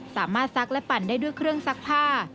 ซักและปั่นได้ด้วยเครื่องซักผ้า